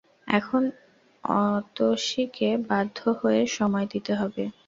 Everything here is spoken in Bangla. এখন অতসীকে বাধ্য হয়ে সময় দিতে হবে।